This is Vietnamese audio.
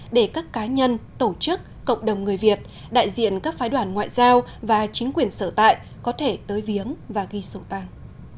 để các cá nhân tổ chức cộng đồng người việt đại diện các phái đoàn ngoại giao và chính quyền sở tại có thể tới viếng và ghi sổ tang